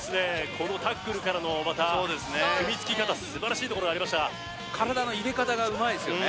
このタックルからのまた組み付き方すばらしいところがありました体の入れ方がうまいですよね